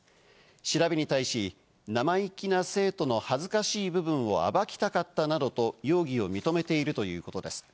調べに対し、生意気な生徒の恥ずかしい部分を暴きたかったなどと容疑を認めているということです。